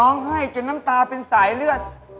นี่ทำมันออกทริปเลย